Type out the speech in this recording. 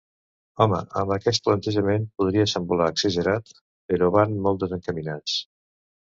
Home, amb aquest plantejament podria semblar exagerat, però van molt desencaminats.